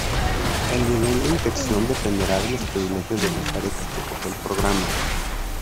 El nivel de infección dependerá de los privilegios del usuario que ejecutó el programa.